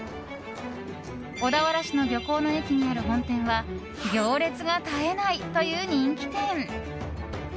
小田原市の漁港の駅にある本店は行列が絶えないという人気店。